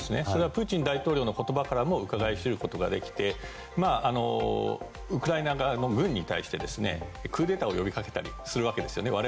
それはプーチン大統領の言葉からもうかがい知ることができてウクライナ側の軍に対してクーデターを呼びかけたりするわけですよね。